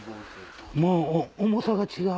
もう重さが違う。